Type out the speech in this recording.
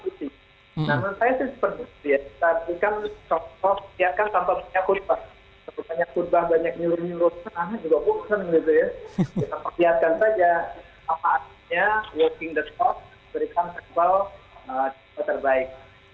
kita perlihatkan saja apa artinya working the talk berikan kembal juga terbaik